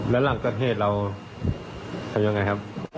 แล้วหลังจากเกิดเราทำอย่างไรครับ